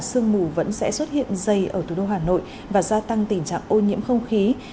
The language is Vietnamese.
sương mù vẫn sẽ xuất hiện dày ở thủ đô hà nội và gia tăng tình trạng ô nhiễm không khí